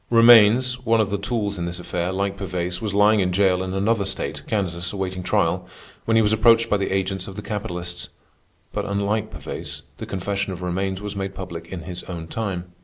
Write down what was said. Romaines, one of the tools in this affair, like Pervaise, was lying in jail in another state, Kansas, awaiting trial, when he was approached by the agents of the capitalists. But, unlike Pervaise, the confession of Romaines was made public in his own time.